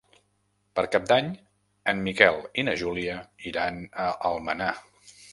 Per Cap d'Any en Miquel i na Júlia iran a Almenar.